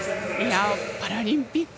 パラリンピック